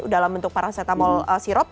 dalam bentuk paracetamol sirup